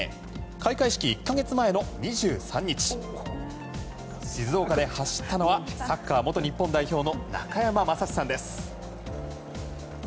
開会式１か月前の２３日静岡で走ったのはサッカー元日本代表の中山雅史さんです。